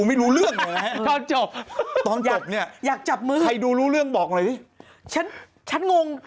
ไม่สงสารชาวบุงชาวบ้านจะรับดังบ้าง